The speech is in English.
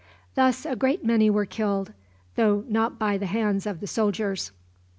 Thus a great many were killed, though not by the hands of the soldiers.